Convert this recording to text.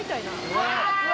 うわ！